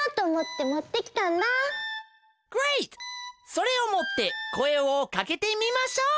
それをもってこえをかけてみましょう。